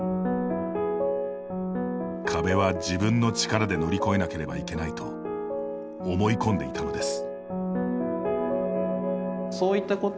壁は、自分の力で乗り越えなければいけないと思い込んでいたのです。